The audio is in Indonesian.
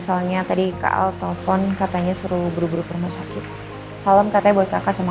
soalnya tadi kak al telepon katanya suruh buru buru permasakit salam katanya buat kakak sama